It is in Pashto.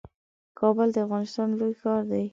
کابل د افغانستان لوی ښار دئ